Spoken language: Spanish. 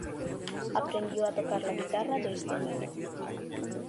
Aprendió a tocar la guitarra desde niño.